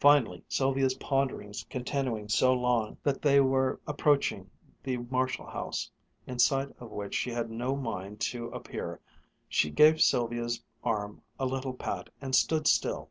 Finally, Sylvia's ponderings continuing so long that they were approaching the Marshall house, in sight of which she had no mind to appear, she gave Sylvia's arm a little pat, and stood still.